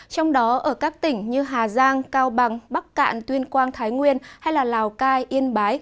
trong đó ở các tỉnh như hà giang cao bằng bắc cạn tuyên quang thái nguyên hay lào cai yên bái